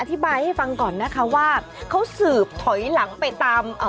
อธิบายให้ฟังก่อนนะคะว่าเขาสืบถอยหลังไปตามเอ่อ